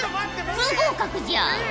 不合格じゃ！